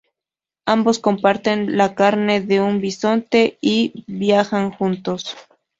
Ambos comparten la carne de un bisonte y viajan juntos.